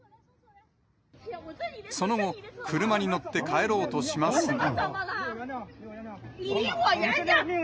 その後、車に乗って帰ろうとしますが。